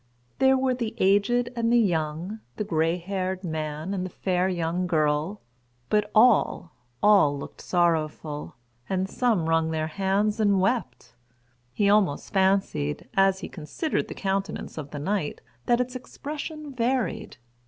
There were the aged and the young, the gray haired man, and the fair young girl; but all, all looked sorrowful, and some wrung their hands and wept. He almost fancied, as he considered the countenance of the knight, that its expression varied.